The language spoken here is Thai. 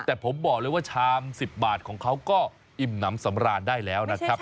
แต่ผมบอกเลยว่าชาม๑๐บาทของเขาก็อิ่มน้ำสำราญได้แล้วนะครับ